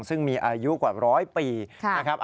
ซึ่งมีอายุกว่าร้อยปีนะครับ